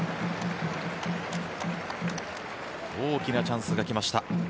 大きなチャンスが来ました。